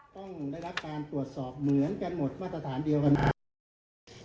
ต้องได้รับการตรวจสอบเหมือนกันหมดมาตรฐานเดียวกันนะครับ